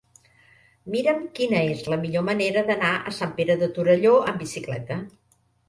Mira'm quina és la millor manera d'anar a Sant Pere de Torelló amb bicicleta.